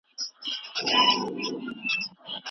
استبدادي حکومتونو د خلګو آزادۍ محدودې کړې.